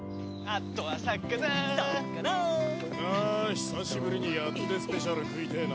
久しぶりにヤツデスペシャル食いてえな！